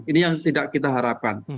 ini yang tidak kita harapkan